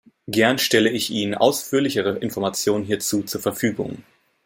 Gern stelle ich Ihnen ausführlichere Informationen hierzu zur Verfügung.